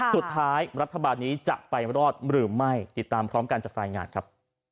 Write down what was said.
รัฐบาลนี้จะไปรอดหรือไม่ติดตามพร้อมกันจากรายงานครับ